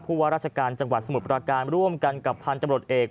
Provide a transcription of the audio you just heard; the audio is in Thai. ว่าราชการจังหวัดสมุทรประการร่วมกันกับพันธุ์ตำรวจเอก